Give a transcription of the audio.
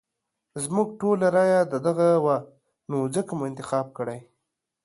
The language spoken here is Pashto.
زموږ ټولو رايه ددغه وه نو ځکه مو انتخاب کړی.